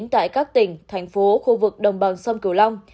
tại các tỉnh thành phố khu vực đồng bằng sông cửu long